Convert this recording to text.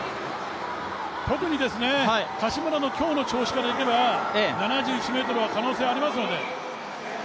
特に柏村の今日の調子からいけば７１ｍは可能性ありますので。